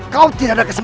kau sendiri yang menang